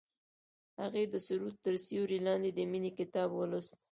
هغې د سرود تر سیوري لاندې د مینې کتاب ولوست.